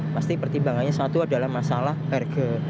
pasti pertimbangannya satu adalah masalah harga